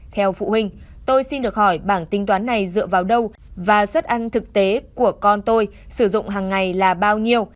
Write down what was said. theo phụ huynh tôi xin được hỏi bảng tinh toán này dựa vào đâu và xuất ăn thực tế của con tôi sử dụng hằng ngày là bao nhiêu